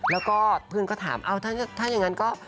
แล้วก็เพื่อนก็ถามถ้าอย่างนั้นก็